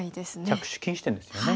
着手禁止点ですよね。